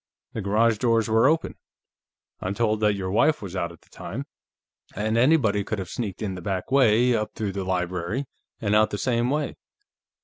The garage doors were open I'm told that your wife was out at the time and anybody could have sneaked in the back way, up through the library, and out the same way.